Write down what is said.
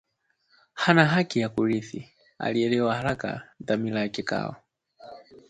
hana haki ya kurithi alielewa haraka dhamira ya kikao